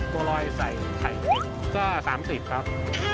บัวรอยใส่ไข่เก็บก็๓๐ครับ